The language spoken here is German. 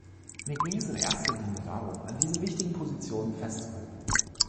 Mir ging es in erster Linie darum, an diesen wichtigen Positionen festzuhalten.